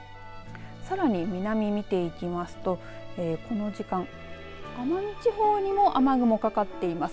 さらに南見ていきますとこの時間奄美地方にも雨雲かかっています。